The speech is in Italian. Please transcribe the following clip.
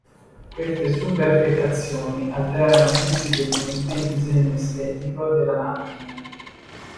Queste superfetazioni alterarono sensibilmente il disegno estetico della macchina.